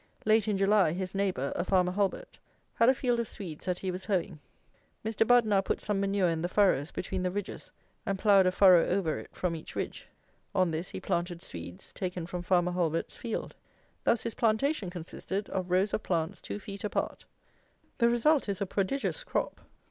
Late in July, his neighbour, a farmer Hulbert, had a field of Swedes that he was hoeing. Mr. Budd now put some manure in the furrows between the ridges, and ploughed a furrow over it from each ridge. On this he planted Swedes, taken from farmer Hulbert's field. Thus his plantation consisted of rows of plants two feet apart. The result is a prodigious crop.